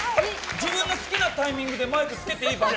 自分の好きなタイミングでマイクつけていい番組？